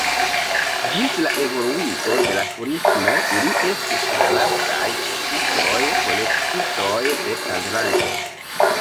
Ĝis la evoluigo de la turismo ili estis la lastaj ĉasistoj-kolektistoj de Tanzanio.